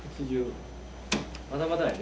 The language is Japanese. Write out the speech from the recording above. まだまだやね。